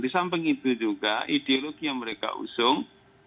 di samping itu juga ideologi yang mereka usung